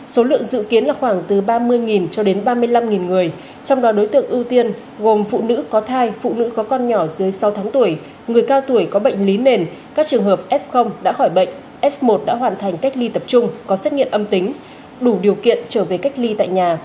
số lượng dự kiến là khoảng từ ba mươi cho đến ba mươi năm người trong đó đối tượng ưu tiên gồm phụ nữ có thai phụ nữ có con nhỏ dưới sáu tháng tuổi người cao tuổi có bệnh lý nền các trường hợp f đã khỏi bệnh f một đã hoàn thành cách ly tập trung có xét nghiệm âm tính đủ điều kiện trở về cách ly tại nhà